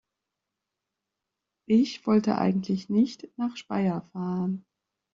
Ich wollte eigentlich nicht nach Speyer fahren